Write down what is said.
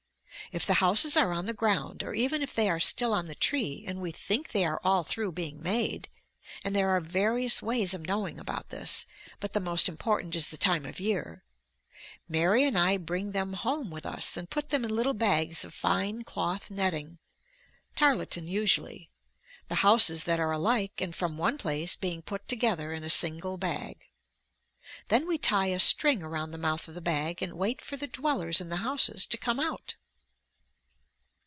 If the houses are on the ground, or even if they are still on the tree and we think they are all through being made and there are various ways of knowing about this, but the most important is the time of year Mary and I bring them home with us and put them in little bags of fine cloth netting, tarlatan usually, the houses that are alike and from one place being put together in a single bag. Then we tie a string around the mouth of the bag and wait for the dwellers in the houses to come out.